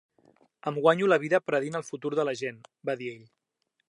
"Em guanyo la vida predient el futur de la gent" va dir ell.